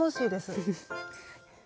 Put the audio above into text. フフフッ。